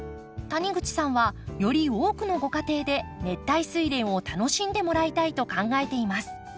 谷口さんはより多くのご家庭で熱帯スイレンを楽しんでもらいたいと考えています。